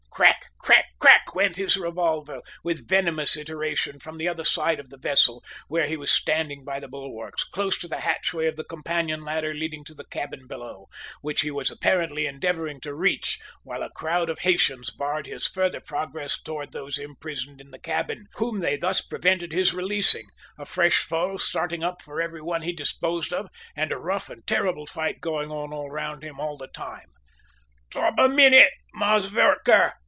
Crack, crack, crack, went his revolver with venomous iteration from the other side of the vessel, where he was standing by the bulwarks, close to the hatchway of the companion ladder leading to the cabin below, which he was apparently endeavouring to reach, while a crowd of Haytians barred his further progress towards those imprisoned in the cabin, whom they thus prevented his releasing, a fresh foe starting up for every one he disposed of, and a rough and terrible fight going on all round him all the time. "'Top a minnit, Mass' V'reker!"